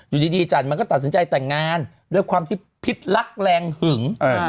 อยู่ดีจันมันก็ตัดสินใจแต่งงานด้วยความที่พิษรักแรงหึง